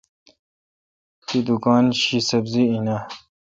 تی دکان شی سبری این اں۔